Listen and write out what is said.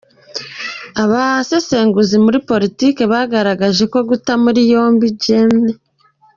Abasesenguzi muri politike bagaragaje ko guta muri yombi Gen.